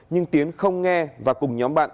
nhưng tiến không nghe và cùng nhóm bạn